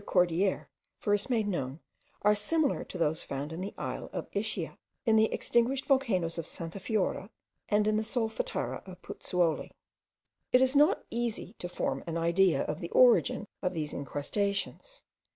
Cordier first made known, are similar to those found in the isle of Ischia, in the extinguished volcanoes of Santa Fiora, and in the Solfatara of Puzzuoli. It is not easy to form an idea of the origin of these incrustations.